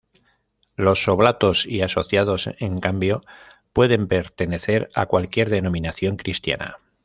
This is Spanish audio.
Los oblatos y asociados, en cambio, pueden pertenecer a cualquier denominación cristiana.